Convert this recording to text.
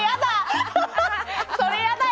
それやだ！